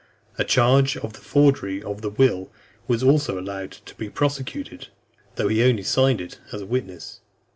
A charge for the forgery of a will was also allowed to be prosecuted, though he had only signed it as a witness.